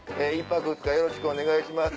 １泊２日よろしくお願いします